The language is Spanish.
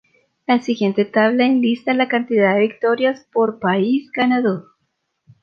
La siguiente tabla enlista la cantidad de victorias por país ganador.